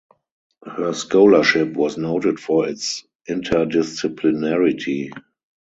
Her scholarship was noted for its interdisciplinarity.